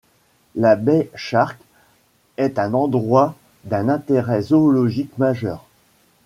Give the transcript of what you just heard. La baie Shark est un endroit d'un intérêt zoologique majeur.